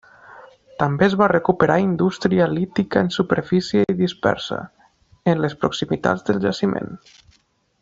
També es va recuperar indústria lítica en superfície i dispersa, en les proximitats del jaciment.